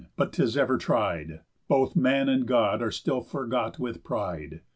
But 'tis ever tried, _Both man and God are still forgot with pride.